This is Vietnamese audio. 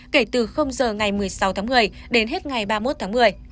kể từ giờ ngày một mươi sáu tháng một mươi đến hết ngày ba mươi một tháng một mươi